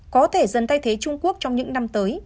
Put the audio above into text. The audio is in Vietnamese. có thể dần thay thế trung quốc trong những năm tới